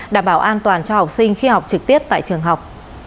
đảm bảo an toàn cho học sinh khi học trực tiếp tại trường học